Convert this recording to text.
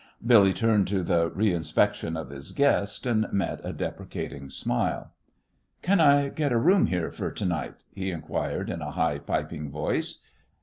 Billy turned to the reinspection of his guest, and met a deprecating smile. "Can I get a room here fer to night?" he inquired in a high, piping voice.